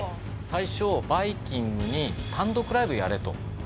最初バイきんぐに単独ライブをやれと。